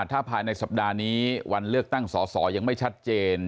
ถ้าภายในสัปดาห์นี้วันเลือกตั้งสอสอยังไม่ชัดเจน